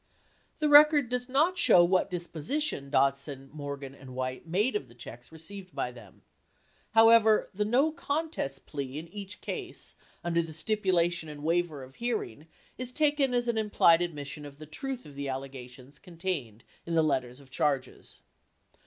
The record does not show what disposition Dodson, Mor gan, and White made of the checks received by them. How ever, the "no contest" plea in each case under the Stipulation and Waiver of Hearing is taken as an implied admission of the truth of the allegations contained in the Letters of Charges.